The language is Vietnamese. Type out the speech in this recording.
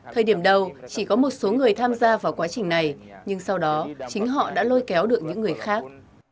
thời điểm đầu chỉ có một số người tham gia vào quá trình này nhưng sau đó chính họ đã lôi kéo được những người khác